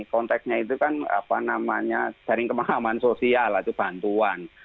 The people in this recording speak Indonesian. konteksnya itu kan apa namanya jaring pemahaman sosial atau bantuan